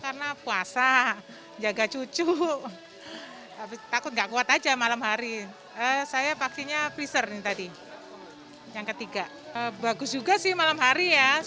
rita ernawati warga ciracas